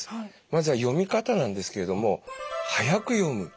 まずは読み方なんですけれども速く読む。